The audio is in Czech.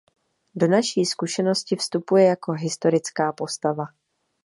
Do naší zkušenosti vstupuje jako historická postava.